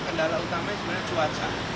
kendala utama sebenarnya cuaca